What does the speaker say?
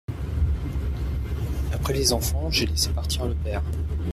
Après les enfants, j'ai laissé partir le père.